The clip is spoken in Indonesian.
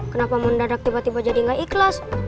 kenapa mendadak tiba tiba jadi nggak ikhlas